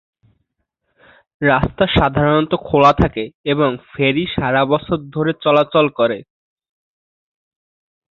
রাস্তা সাধারণত খোলা থাকে এবং ফেরি সারা বছর ধরে চলাচল করে।